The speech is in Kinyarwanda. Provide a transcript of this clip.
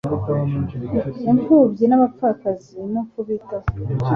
impfubyi n abapfakazi no kubitaho